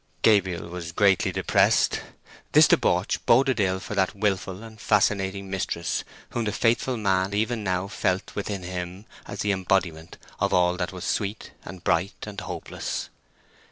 Gabriel was greatly depressed. This debauch boded ill for that wilful and fascinating mistress whom the faithful man even now felt within him as the embodiment of all that was sweet and bright and hopeless.